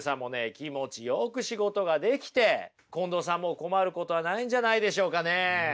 気持ちよく仕事ができて近藤さんも困ることはないんじゃないでしょうかね。